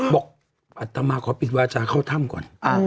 บอกอัตมาขอปิดวาจาเข้าถ้ำก่อน